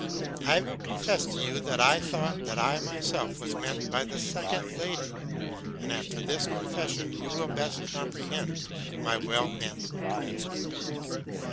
I will confess to you that I thought that I myself was meant by the second lady, and after this confession you will best comprehend my well meant counsel.